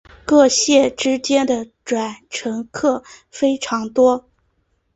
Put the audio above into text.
各线之间的转乘客非常多。